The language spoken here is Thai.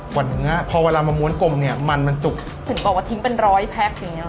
เนื้อพอเวลามาม้วนกลมเนี้ยมันมันจุกถึงบอกว่าทิ้งเป็นร้อยแพ็คอย่างเงี้